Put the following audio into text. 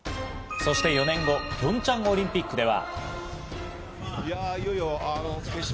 そして４年後、ピョンチャンオリンピックでは。